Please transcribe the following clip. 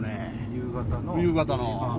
夕方の。